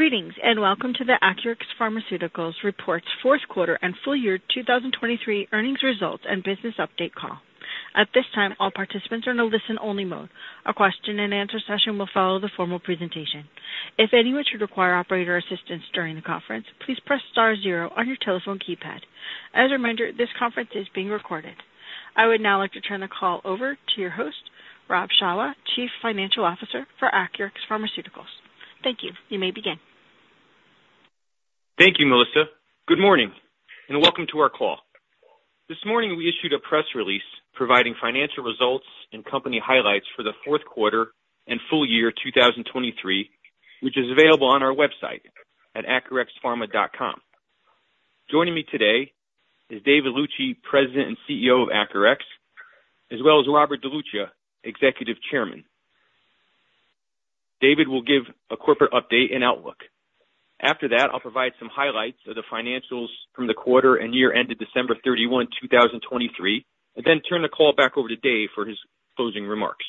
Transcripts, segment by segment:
Greetings, and welcome to the Acurx Pharmaceuticals Report's Fourth Quarter and Full Year 2023 Earnings Results and Business Update Call. At this time, all participants are in a listen-only mode. A question and answer session will follow the formal presentation. If anyone should require operator assistance during the conference, please press star zero on your telephone keypad. As a reminder, this conference is being recorded. I would now like to turn the call over to your host, Robert Shawah, Chief Financial Officer for Acurx Pharmaceuticals. Thank you. You may begin. Thank you, Melissa. Good morning, and welcome to our call. This morning, we issued a press release providing financial results and company highlights for the fourth quarter and full year 2023, which is available on our website at acurxpharma.com. Joining me today is David Luci, President and CEO of Acurx, as well as Robert DeLuccia, Executive Chairman. David will give a corporate update and outlook. After that, I'll provide some highlights of the financials from the quarter and year ended December 31, 2023, and then turn the call back over to David for his closing remarks.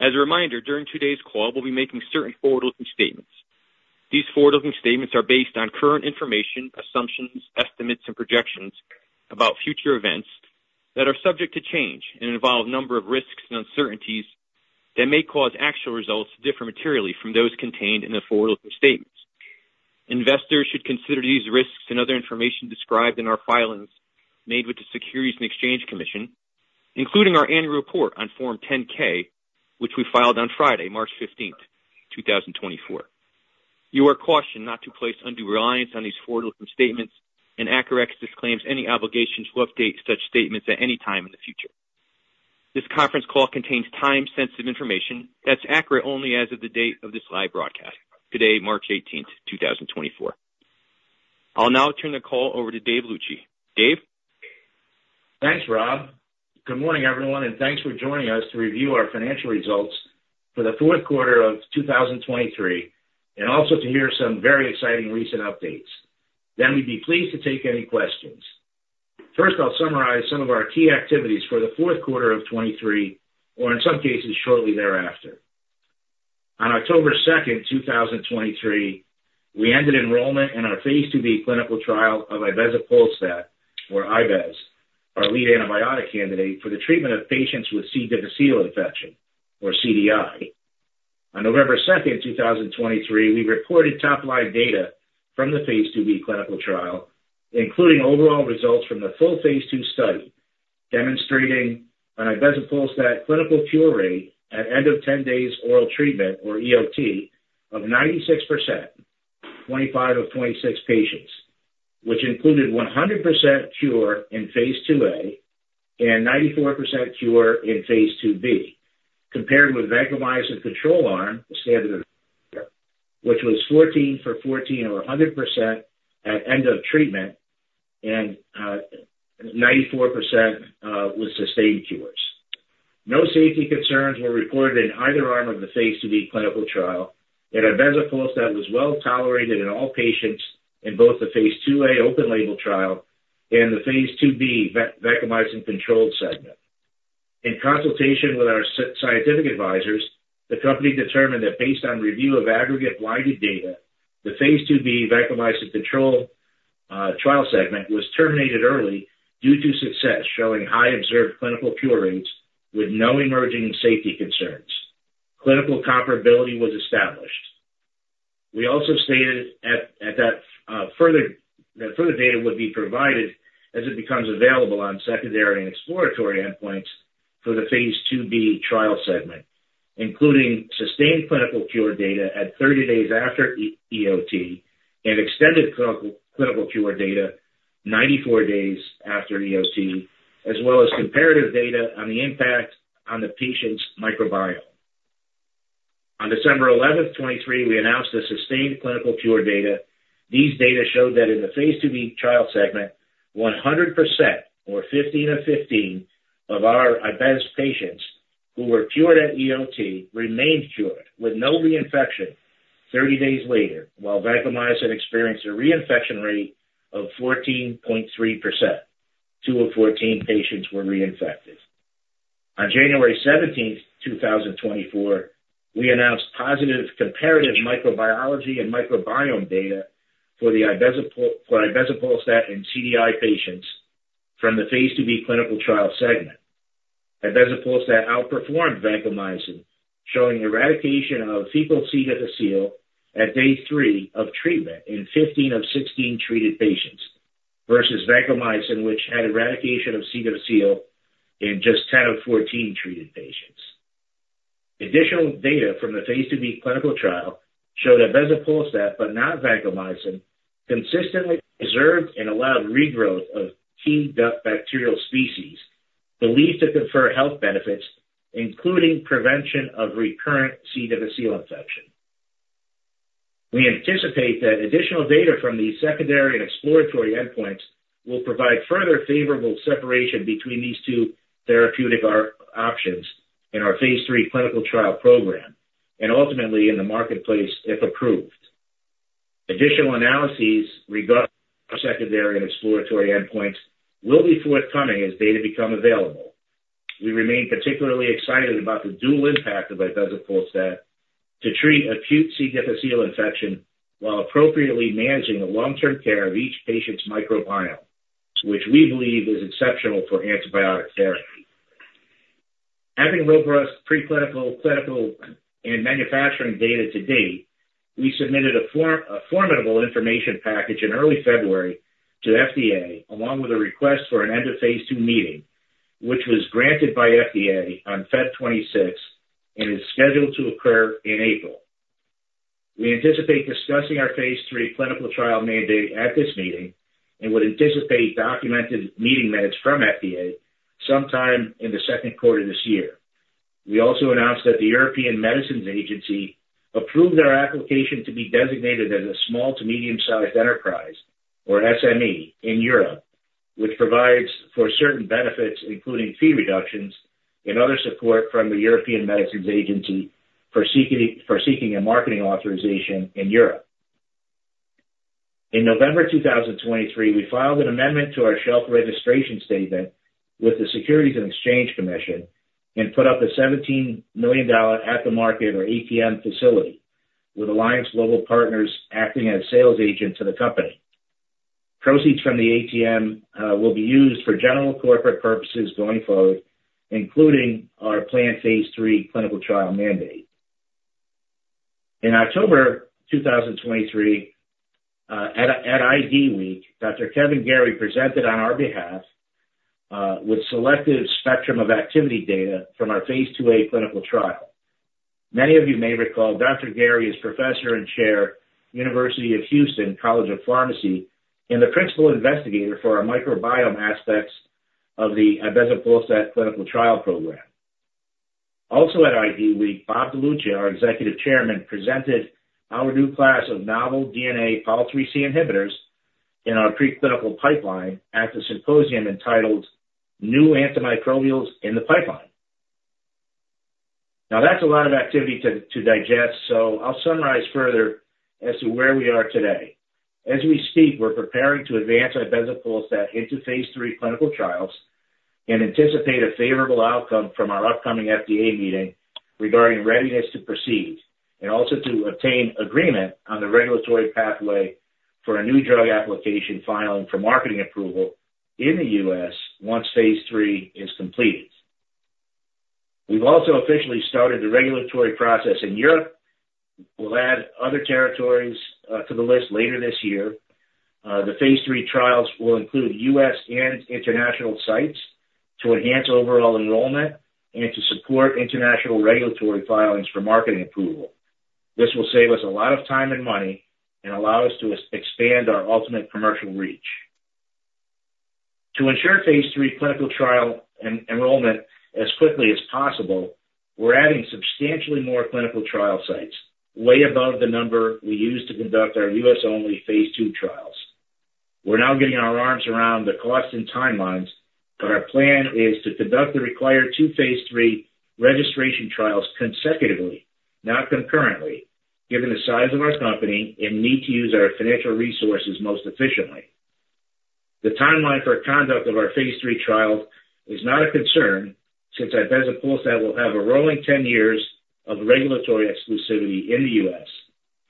As a reminder, during today's call, we'll be making certain forward-looking statements. These forward-looking statements are based on current information, assumptions, estimates, and projections about future events that are subject to change and involve a number of risks and uncertainties that may cause actual results to differ materially from those contained in the forward-looking statements. Investors should consider these risks and other information described in our filings made with the Securities and Exchange Commission, including our annual report on Form 10-K, which we filed on Friday, March 15th, 2024. You are cautioned not to place undue reliance on these forward-looking statements, and Acurx disclaims any obligation to update such statements at any time in the future. This conference call contains time-sensitive information that's accurate only as of the date of this live broadcast, today, March 18th, 2024. I'll now turn the call over to Dave Luci. Dave? Thanks, Rob. Good morning, everyone, and thanks for joining us to review our financial results for the fourth quarter of 2023, and also to hear some very exciting recent updates. Then we'd be pleased to take any questions. First, I'll summarize some of our key activities for the fourth quarter of 2023, or in some cases, shortly thereafter. On October 2nd, 2023, we ended enrollment in our phase II-B clinical trial of ibezapolstat, or ibez, our lead antibiotic candidate for the treatment of patients with C. difficile infection, or CDI. On November 2, 2023, we reported top-line data from the phase II-B clinical trial, including overall results from the full phase II study, demonstrating an ibezapolstat clinical cure rate at end of 10 days oral treatment, or EOT, of 96%, 25 of 26 patients, which included 100% cure in phase IIa and 94% cure in phase II-B, compared with vancomycin control arm, the standard of care, which was 14 for 14 or 100% at end of treatment and 94% was sustained cures. No safety concerns were reported in either arm of the phase II-B clinical trial, and ibezapolstat was well tolerated in all patients in both the phase II-A open label trial and the phase II-B vancomycin controlled segment. In consultation with our scientific advisors, the company determined that based on review of aggregate blinded data, the phase II-B vancomycin control trial segment was terminated early due to success showing high observed clinical cure rates with no emerging safety concerns. Clinical comparability was established. We also stated at that further that further data would be provided as it becomes available on secondary and exploratory endpoints for the phase II-B trial segment, including sustained clinical cure data at 30 days after EOT and extended clinical cure data 94 days after EOT, as well as comparative data on the impact on the patient's microbiome. On December 11th, 2023, we announced the sustained clinical cure data. These data showed that in the phase II-B trial segment, 100% or 15 of 15 of our ibezapolstat patients who were cured at EOT remained cured, with no reinfection 30 days later, while vancomycin experienced a reinfection rate of 14.3%. Two of 14 patients were reinfected. On January 17th, 2024, we announced positive comparative microbiology and microbiome data for ibezapolstat in CDI patients from the phase II-B clinical trial segment. Ibezapolstat outperformed vancomycin, showing eradication of fecal C. difficile at day 3 of treatment in 15 of 16 treated patients, versus vancomycin, which had eradication of C. difficile in just 10 of 14 treated patients. Additional data from the phase II-B clinical trial showed ibezapolstat, but not vancomycin, consistently preserved and allowed regrowth of the gut bacterial species, believed to confer health benefits, including prevention of recurrent C. difficile infection. We anticipate that additional data from these secondary and exploratory endpoints will provide further favorable separation between these two therapeutic options in phase III clinical trial program and ultimately in the marketplace, if approved. Additional analyses regarding our secondary and exploratory endpoints will be forthcoming as data become available. We remain particularly excited about the dual impact of ibezapolstat to treat acute C. difficile infection, while appropriately managing the long-term care of each patient's microbiome, which we believe is exceptional for antibiotic therapy. Having robust preclinical, clinical, and manufacturing data to date, we submitted a formidable information package in early February to FDA, along with a request for an end of phase II meeting, which was granted by FDA on February 26, and is scheduled to occur in April. We anticipate discussing our phase III clinical trial mandate at this meeting, and would anticipate documented meeting minutes from FDA sometime in the second quarter this year. We also announced that the European Medicines Agency approved our application to be designated as a small to medium-sized enterprise, or SME, in Europe, which provides for certain benefits, including fee reductions and other support from the European Medicines Agency for seeking a marketing authorization in Europe. In November 2023, we filed an amendment to our shelf registration statement with the Securities and Exchange Commission and put up a $17 million at-the-market, or ATM, facility, with Alliance Global Partners acting as sales agent to the company. Proceeds from the ATM will be used for general corporate purposes going forward, including our phase III clinical trial mandate. In October 2023, at IDWeek, Dr. Kevin Garey presented on our behalf with selective spectrum of activity data from our phase II-A clinical trial. Many of you may recall, Dr. Garey is Professor and Chair, University of Houston, College of Pharmacy, and the principal investigator for our microbiome aspects of the ibezapolstat clinical trial program. Also at IDWeek, Bob DeLuccia, our Executive Chairman, presented our new class of novel DNA Pol IIIC inhibitors in our preclinical pipeline at the symposium entitled New Antimicrobials in the Pipeline. Now, that's a lot of activity to digest, so I'll summarize further as to where we are today. As we speak, we're preparing to advance ibezapolstat phase III clinical trials and anticipate a favorable outcome from our upcoming FDA meeting regarding readiness to proceed, and also to obtain agreement on the regulatory pathway for a new drug application filing for marketing approval in the U.S. phase III is completed. We've also officially started the regulatory process in Europe. We'll add other territories to the list later this year. phase III trials will include U.S. and international sites to enhance overall enrollment and to support international regulatory filings for marketing approval. This will save us a lot of time and money and allow us to expand our ultimate commercial reach. To ensure phase III clinical trial enrollment as quickly as possible, we're adding substantially more clinical trial sites, way above the number we used to conduct our U.S.-only phase II trials. We're now getting our arms around the costs and timelines, but our plan is to conduct the required two phase III registration trials consecutively, not concurrently, given the size of our company and need to use our financial resources most efficiently. The timeline for conduct of our phase III trial is not a concern, since ibezapolstat will have a rolling ten years of regulatory exclusivity in the U.S.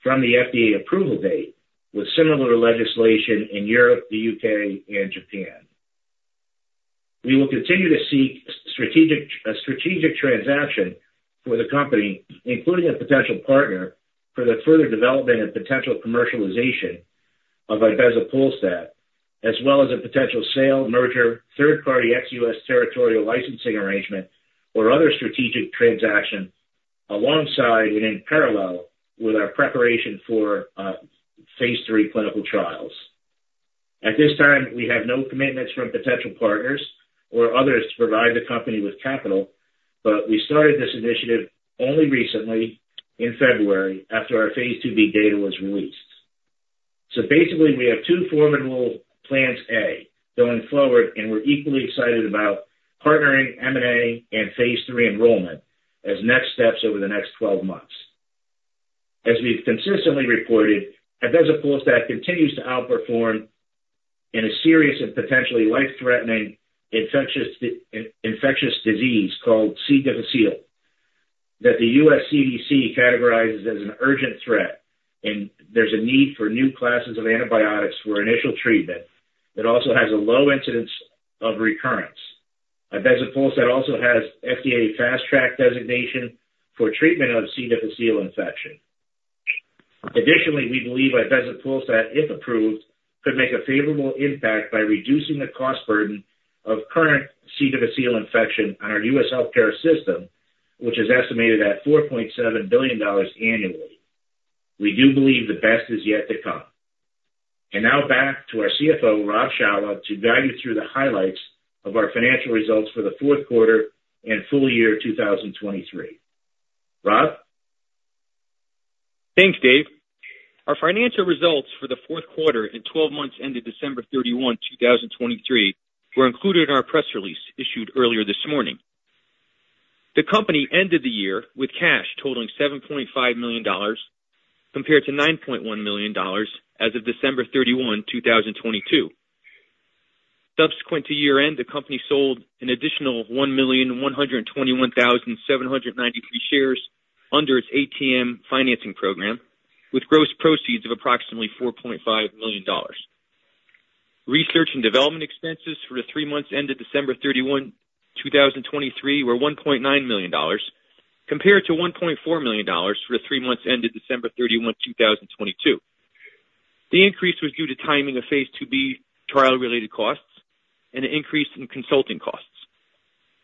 from the FDA approval date, with similar legislation in Europe, the U.K., and Japan. We will continue to seek a strategic transaction for the company, including a potential partner, for the further development and potential commercialization of ibezapolstat, as well as a potential sale, merger, third-party ex-US territorial licensing arrangement, or other strategic transaction alongside and in parallel with our preparation phase III clinical trials. At this time, we have no commitments from potential partners or others to provide the company with capital, but we started this initiative only recently in February, after our phase II-B data was released. So basically, we have two formidable plans A going forward, and we're equally excited about partnering M&A phase III enrollment as next steps over the next 12 months. As we've consistently reported, ibezapolstat continues to outperform in a serious and potentially life-threatening infectious disease called C. difficile, that the U.S. CDC categorizes as an urgent threat, and there's a need for new classes of antibiotics for initial treatment that also has a low incidence of recurrence. Ibezapolstat also has FDA Fast Track designation for treatment of C. difficile infection. Additionally, we believe ibezapolstat, if approved, could make a favorable impact by reducing the cost burden of current C. difficile infection on our U.S. healthcare system, which is estimated at $4.7 billion annually. We do believe the best is yet to come. And now back to our CFO, Robert Shawah, to guide you through the highlights of our financial results for the fourth quarter and full year 2023. Rob? Thanks, Dave. Our financial results for the fourth quarter and twelve months ended December 31, 2023, were included in our press release issued earlier this morning. The company ended the year with cash totaling $7.5 million, compared to $9.1 million as of December 31, 2022. Subsequent to year-end, the company sold an additional 1,121,793 shares under its ATM financing program, with gross proceeds of approximately $4.5 million. Research and development expenses for the three months ended December 31, 2023, were $1.9 million, compared to $1.4 million for the three months ended December 31, 2022. The increase was due to timing of phase II-B trial-related costs and an increase in consulting costs.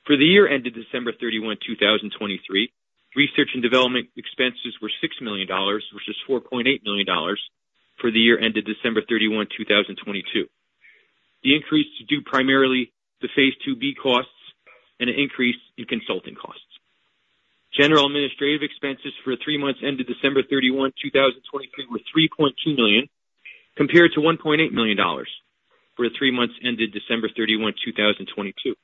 For the year ended December 31, 2023, research and development expenses were $6 million, which is $4.8 million for the year ended December 31, 2022. The increase is due primarily to phase II-B costs and an increase in consulting costs. General administrative expenses for the three months ended December 31, 2023, were $3.2 million, compared to $1.8 million for the three months ended December 31, 2022.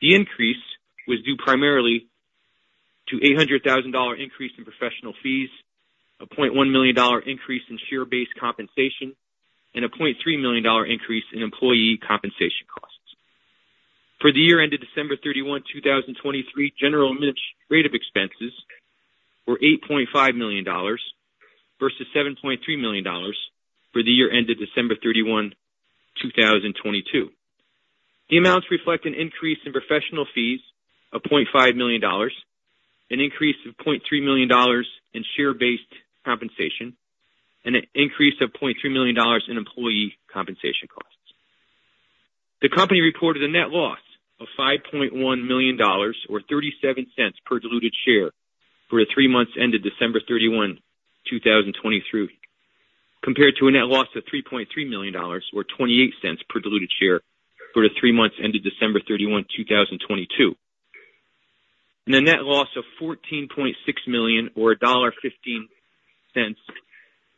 The increase was due primarily to $800,000 increase in professional fees, a $0.1 million dollar increase in share-based compensation, and a $0.3 million dollar increase in employee compensation costs. For the year ended December 31, 2023, general administrative expenses were $8.5 million versus $7.3 million for the year ended December 31, 2022. The amounts reflect an increase in professional fees of $0.5 million, an increase of $0.3 million in share-based compensation, and an increase of $0.3 million in employee compensation costs. The company reported a net loss of $5.1 million, or $0.37 per diluted share, for the three months ended December 31, 2023, compared to a net loss of $3.3 million, or $0.28 per diluted share for the three months ended December 31, 2022. a net loss of $14.6 million, or $1.15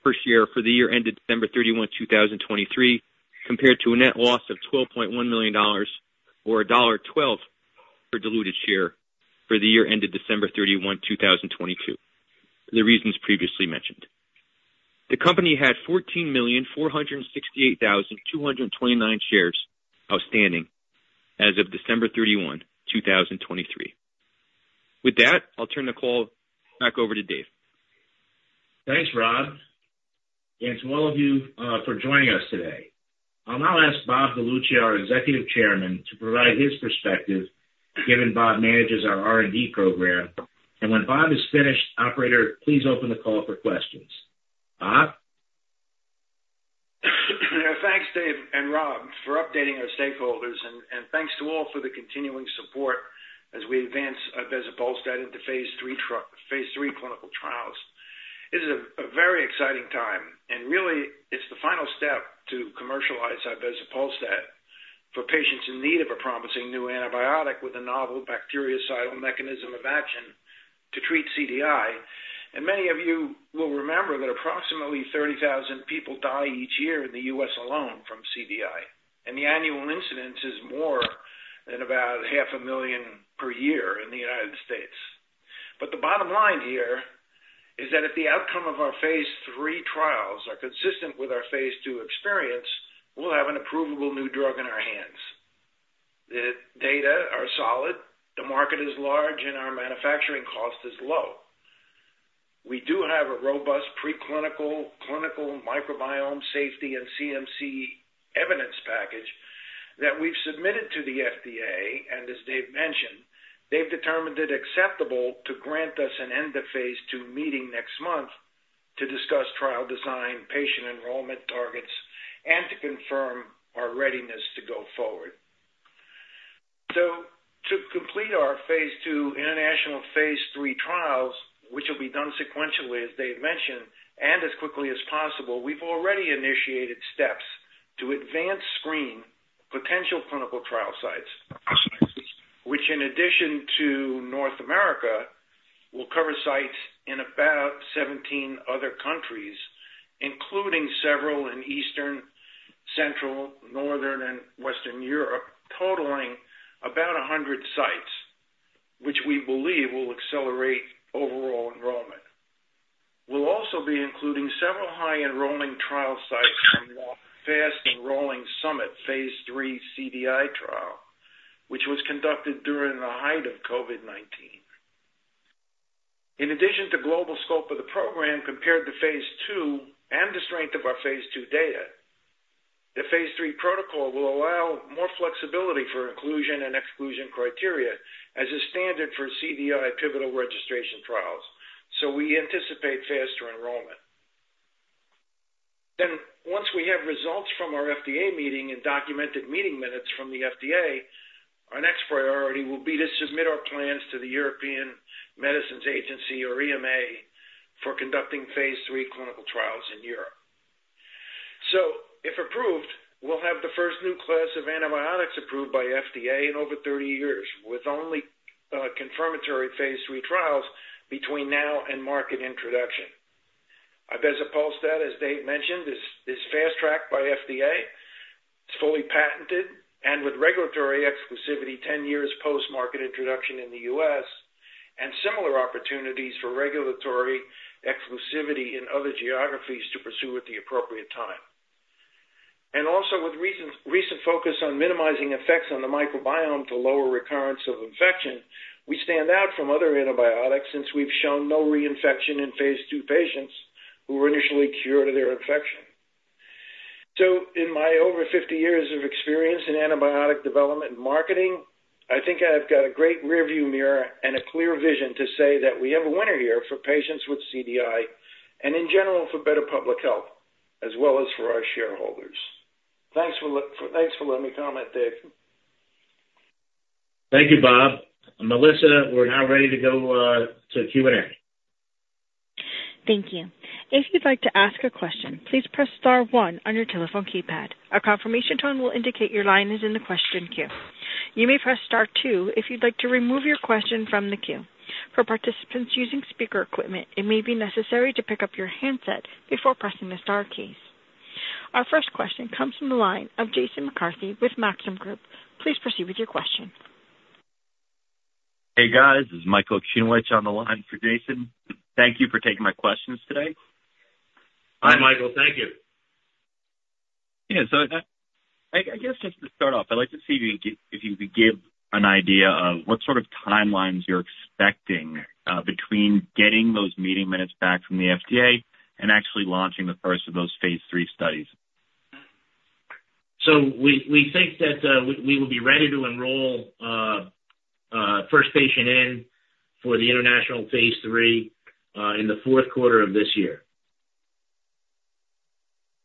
per share for the year ended December 31, 2023, compared to a net loss of $12.1 million, or $1.12 per diluted share for the year ended December 31, 2022. The reasons previously mentioned. The company had 14,468,229 shares outstanding as of December 31, 2023. With that, I'll turn the call back over to Dave. Thanks, Rob, and to all of you, for joining us today. I'll now ask Bob DeLuccia, our Executive Chairman, to provide his perspective, given Bob manages our R&D program. When Bob is finished, operator, please open the call for questions. Bob? Thanks, Dave and Rob, for updating our stakeholders, and thanks to all for the continuing support as we advance ibezapolstat phase III clinical trials. This is a very exciting time, and really, it's the final step to commercialize ibezapolstat for patients in need of a promising new antibiotic with a novel bactericidal mechanism of action to treat CDI. Many of you will remember that approximately 30,000 people die each year in the U.S. alone from CDI, and the annual incidence is more than about 500,000 per year in the United States. The bottom line here is that if the outcome of phase III trials are consistent with our phase IIexperience, we'll have an approvable new drug in our hands. The data are solid, the market is large, and our manufacturing cost is low. We do have a robust preclinical, clinical microbiome, safety, and CMC evidence package that we've submitted to the FDA, and as Dave mentioned, they've determined it acceptable to grant us an end-of-phase IImeeting next month to discuss trial design, patient enrollment targets, and to confirm our readiness to go forward. So to complete our phase II, phase III trials, which will be done sequentially, as Dave mentioned, and as quickly as possible, we've already initiated steps to advance screen potential clinical trial sites. Which in addition to North America, will cover sites in about 17 other countries, including several in Eastern, Central, Northern, and Western Europe, totaling about 100 sites, which we believe will accelerate overall enrollment. We'll also be including several high-enrolling trial sites from the fast-enrolling phase III cdi trial, which was conducted during the height of COVID-19. In addition to global scope of the program, compared to phase II and the strength of our phase II data, phase III protocol will allow more flexibility for inclusion and exclusion criteria as a standard for CDI pivotal registration trials, so we anticipate faster enrollment. Then, once we have results from our FDA meeting and documented meeting minutes from the FDA, our next priority will be to submit our plans to the European Medicines Agency, or EMA, for phase III clinical trials in Europe. So, if approved, we'll have the first new class of antibiotics approved by FDA in over 30 years, with only phase III trials between now and market introduction.... Ibezapolstat, as Dave mentioned, is fast-tracked by FDA, it's fully patented, and with regulatory exclusivity, 10 years post-market introduction in the U.S., and similar opportunities for regulatory exclusivity in other geographies to pursue at the appropriate time. And also with recent focus on minimizing effects on the microbiome to lower recurrence of infection, we stand out from other antibiotics since we've shown no reinfection in phase II patients who were initially cured of their infection. So in my over 50 years of experience in antibiotic development and marketing, I think I've got a great rearview mirror and a clear vision to say that we have a winner here for patients with CDI, and in general, for better public health, as well as for our shareholders. Thanks for letting me comment, Dave. Thank you, Rob. Melissa, we're now ready to go to Q&A. Thank you. If you'd like to ask a question, please press star one on your telephone keypad. A confirmation tone will indicate your line is in the question queue. You may press star two if you'd like to remove your question from the queue. For participants using speaker equipment, it may be necessary to pick up your handset before pressing the star keys. Our first question comes from the line of Jason McCarthy with Maxim Group. Please proceed with your question. Hey, guys. This is Michael Okunewitch on the line for Jason. Thank you for taking my questions today. Hi, Michael. Thank you. Yeah, so, I guess just to start off, I'd like to see if you could give an idea of what sort of timelines you're expecting, between getting those meeting minutes back from the FDA and actually launching the first of phase III studies? So we think that we will be ready to enroll first patient in for the phase III in the fourth quarter of this year.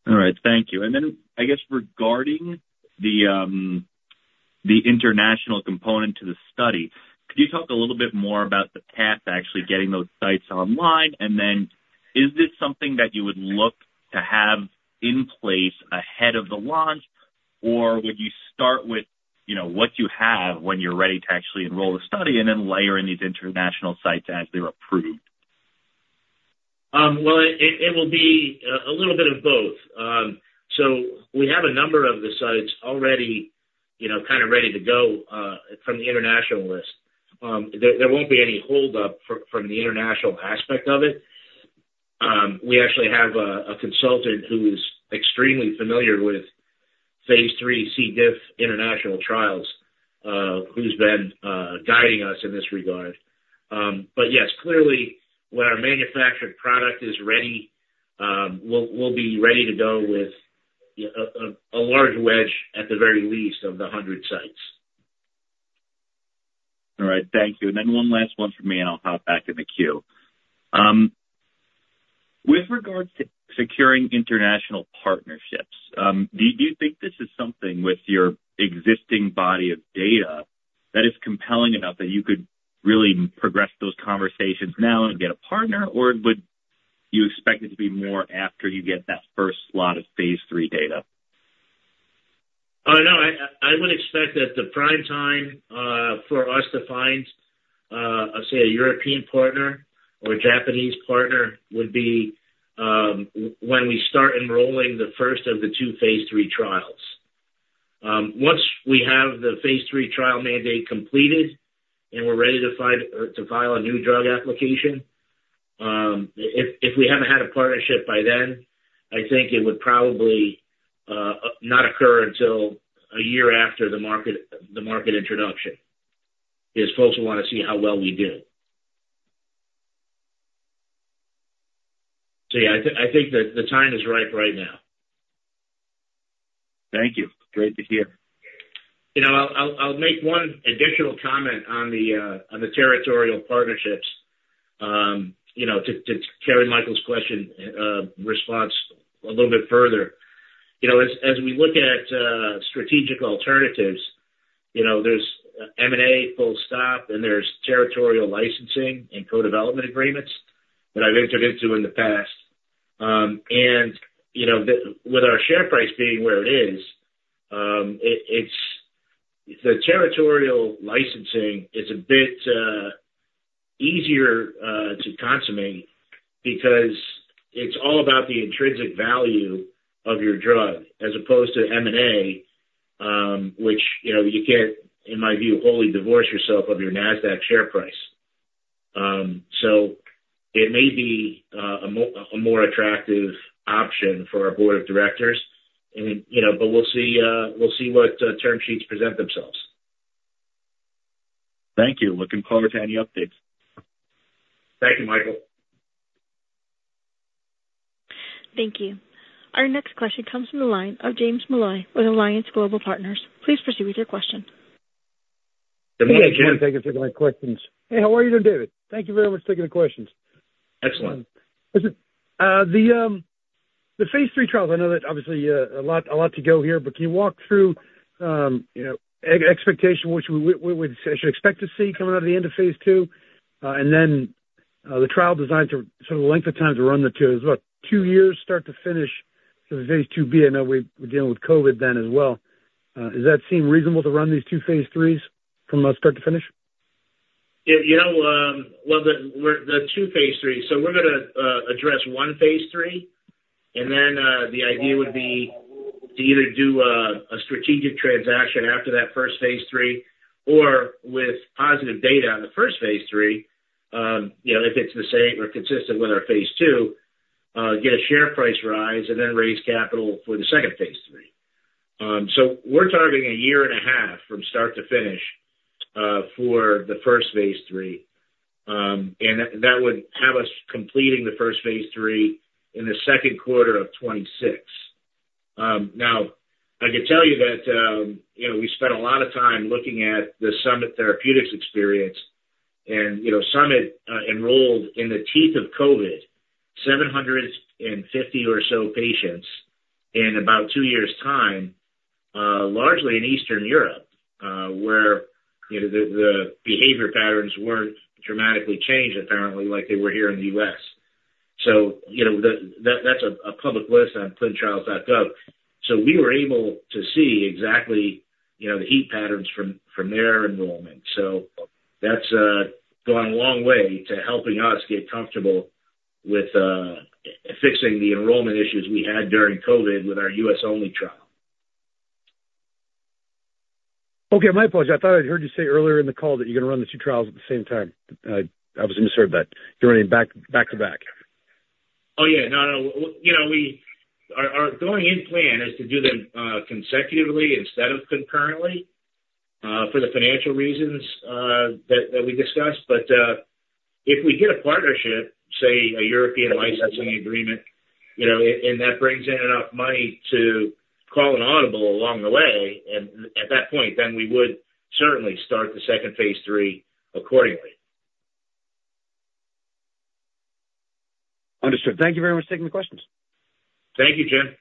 All right, thank you. And then I guess regarding the international component to the study, could you talk a little bit more about the path to actually getting those sites online? And then is this something that you would look to have in place ahead of the launch, or would you start with, you know, what you have when you're ready to actually enroll the study and then layer in these international sites as they're approved? Well, it will be a little bit of both. So we have a number of the sites already, you know, kind of ready to go from the international list. There won't be any hold up from the international aspect of it. We actually have a consultant who is extremely familiar phase III-C. diff international trials, who's been guiding us in this regard. But yes, clearly, when our manufactured product is ready, we'll be ready to go with a large wedge, at the very least, of the 100 sites. All right. Thank you. And then one last one from me, and I'll hop back in the queue. With regards to securing international partnerships, do you think this is something with your existing body of data that is compelling enough that you could really progress those conversations now and get a partner, or would you expect it to be more after you get that first lot phase III data? No, I would expect that the prime time for us to find, say, a European partner or a Japanese partner would be when we start enrolling the first of the phase III trials. Once we have phase III trial mandate completed and we're ready to file a New Drug Application, if we haven't had a partnership by then, I think it would probably not occur until a year after the market introduction, because folks will wanna see how well we do. So yeah, I think that the time is ripe right now. Thank you. Great to hear. You know, I'll make one additional comment on the territorial partnerships, you know, to carry Michael's question, response a little bit further. You know, as we look at strategic alternatives, you know, there's M&A, full stop, and there's territorial licensing and co-development agreements that I've entered into in the past. And, you know, with our share price being where it is, it's. The territorial licensing is a bit easier to consummate because it's all about the intrinsic value of your drug as opposed to M&A, which, you know, you can't, in my view, wholly divorce yourself of your Nasdaq share price. So it may be a more attractive option for our board of directors and, you know. But we'll see, we'll see what term sheets present themselves. Thank you. Looking forward to any updates. Thank you, Michael. Thank you. Our next question comes from the line of James Molloy with Alliance Global Partners. Please proceed with your question. Good day, Jim. Thank you for taking my questions. Hey, how are you doing, David? Thank you very much for taking the questions. Excellent. Listen, phase III trials, I know that obviously, a lot, a lot to go here, but can you walk through, you know, expectation, which we should expect to see coming out of the end of phase II? And then, the trial design to sort of the length of time to run the 2 as well. 2 years, start to finish, so the phase II-B, I know we're dealing with COVID then as well. Does that seem reasonable to run these phase IIIs from, start to finish? Yeah, you know, well, the two phase III, so we're gonna address one phase III, and then the idea would be to either do a strategic transaction after that first phase III or with positive data on the first phase III, you know, if it's the same or consistent with our phase II, get a share price rise and then raise capital for the second phase III. So we're targeting a year and a half from start to finish for the first phase III. And that would have us completing the first phase III in the second quarter of 2026. Now, I can tell you that, you know, we spent a lot of time looking at the Summit Therapeutics experience, and, you know, Summit enrolled in the teeth of COVID, 750 or so patients in about two years' time, largely in Eastern Europe, where, you know, the behavior patterns weren't dramatically changed apparently, like they were here in the U.S. So, you know, that's a public list on ClinicalTrials.gov. So we were able to see exactly, you know, the heat patterns from their enrollment. So that's gone a long way to helping us get comfortable with fixing the enrollment issues we had during COVID with our U.S.-only trial. Okay, my apology. I thought I'd heard you say earlier in the call that you're gonna run the two trials at the same time. I, I misheard that. You're running back, back to back. Oh, yeah, no, no. You know, our going-in plan is to do them consecutively instead of concurrently for the financial reasons that we discussed. But if we get a partnership, say, a European licensing agreement, you know, and that brings in enough money to call an audible along the way, and at that point, then we would certainly start the second phase III accordingly. Understood. Thank you very much for taking the questions. Thank you, Jim.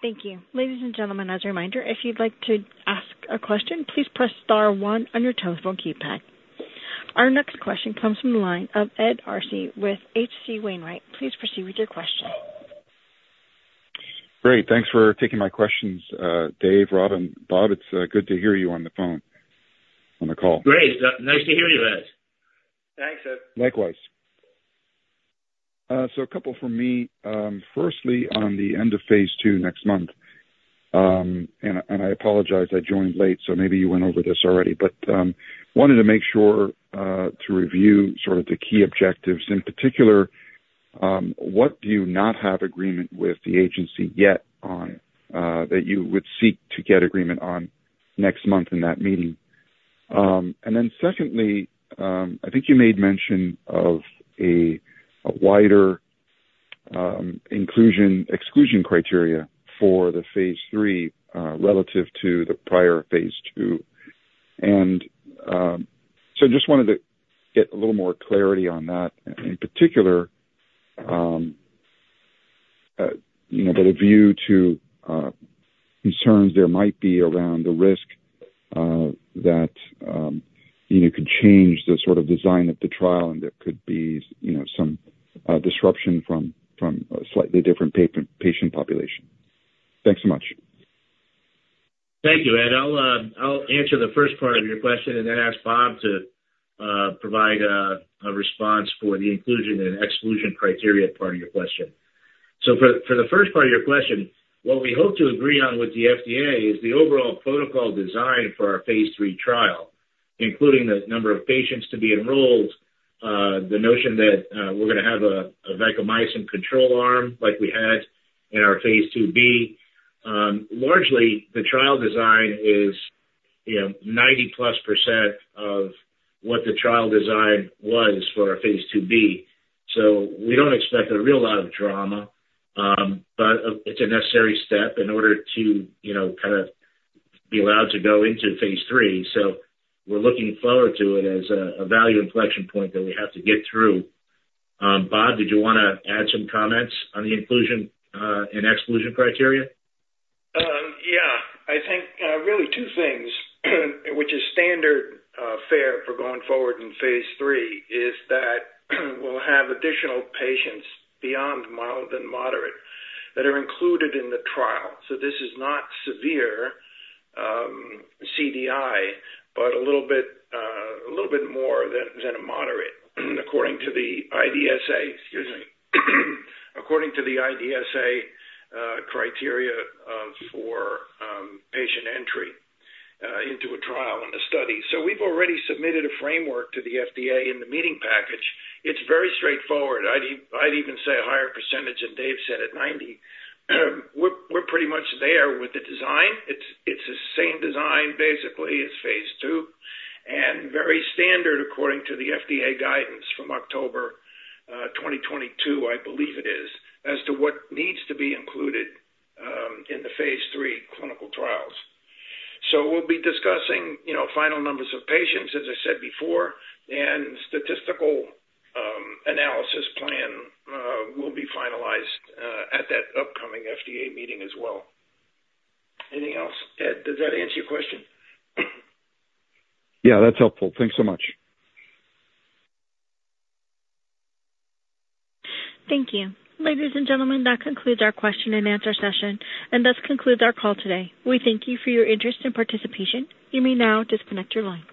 Thank you. Ladies and gentlemen, as a reminder, if you'd like to ask a question, please press star one on your telephone keypad. Our next question comes from the line of Ed Arce with H.C. Wainwright. Please proceed with your question. Great. Thanks for taking my questions, Dave, Rob, and Bob. It's good to hear you on the phone, on the call. Great. Nice to hear you, Ed. Thanks, Ed. Likewise. So a couple from me. Firstly, on the end of phase II next month, and I apologize, I joined late, so maybe you went over this already, but wanted to make sure to review sort of the key objectives. In particular, what do you not have agreement with the agency yet on, that you would seek to get agreement on next month in that meeting? And then secondly, I think you made mention of a wider inclusion/exclusion criteria for the phase III, relative to the prior phase II. And so just wanted to get a little more clarity on that. In particular, you know, with a view to concerns there might be around the risk that you know could change the sort of design of the trial, and there could be, you know, some disruption from a slightly different patient population. Thanks so much. Thank you, Ed. I'll answer the first part of your question and then ask Bob to provide a response for the inclusion and exclusion criteria part of your question. So for the first part of your question, what we hope to agree on with the FDA is the overall protocol design for our phase III trial, including the number of patients to be enrolled, the notion that we're gonna have a vancomycin control arm like we had in our phase II-B. Largely, the trial design is, you know, 90+ percent of what the trial design was for our phase II-B. So we don't expect a real lot of drama, but it's a necessary step in order to, you know, kind of be allowed to go into phase III. So we're looking forward to it as a value inflection point that we have to get through. Bob, did you wanna add some comments on the inclusion and exclusion criteria? Yeah. I think, really two things, which is standard, fare for going forward phase III, is that we'll have additional patients beyond mild and moderate that are included in the trial. So this is not severe, CDI, but a little bit, a little bit more than a moderate, according to the IDSA. Excuse me, according to the IDSA, criteria, for patient entry, into a trial in the study. So we've already submitted a framework to the FDA in the meeting package. It's very straightforward. I'd even say a higher percentage than Dave said at 90%. We're, we're pretty much there with the design. It's the same design, basically, as phase II, and very standard according to the FDA guidance from October 2022, I believe it is, as to what needs to be included in the phase III clinical trials. So we'll be discussing, you know, final numbers of patients, as I said before, and statistical analysis plan will be finalized at that upcoming FDA meeting as well. Anything else, Ed? Does that answer your question? Yeah, that's helpful. Thanks so much. Thank you. Ladies and gentlemen, that concludes our question-and-answer session, and this concludes our call today. We thank you for your interest and participation. You may now disconnect your lines.